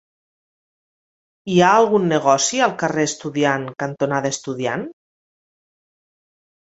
Hi ha algun negoci al carrer Estudiant cantonada Estudiant?